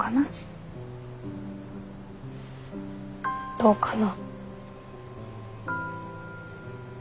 どうかな。